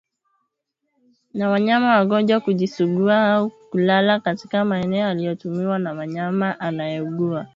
na wanyama wagonjwa kujisugua na au au kulala katika maeneo yaliyotumiwa na mnyama anayeugua